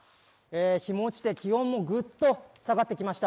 日も落ちて、気温もグッと下がってきました。